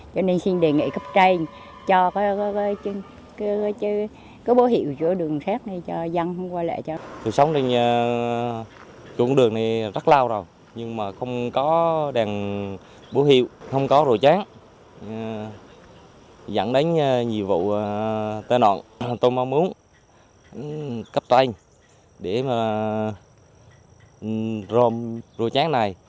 cần xét người ta coi là hơi đông nhưng mà không có bố hiệu của đường dài mỗi lần qua là hồi hộp